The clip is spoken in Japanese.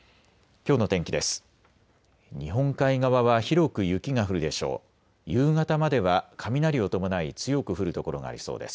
きょうの天気です。